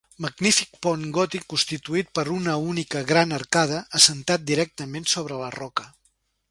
Magnífic pont gòtic constituït per una única gran arcada, assentat directament sobre la roca.